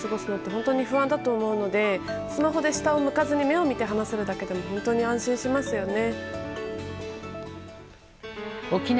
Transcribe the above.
本当に不安だと思うのでスマホで下を向かずに目を見て話せるだけでも本当に安心しますよね。